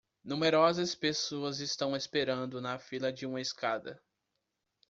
Numerosas pessoas estão esperando na fila de uma escada.